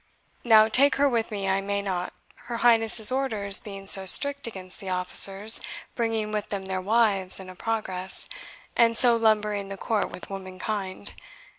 Now, take her with me I may not, her Highness's orders being so strict against the officers bringing with them their wives in a progress, and so lumbering the court with womankind.